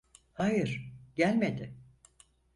Hayır, gelmedi.